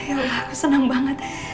ayolah senang banget